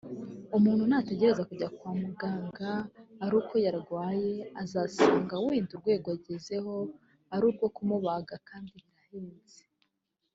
umuntu nategereza kujya kwa muganga ari uko yarwaye azasanga wenda urwego agezeho ari urwo kumubaga kandi birahenze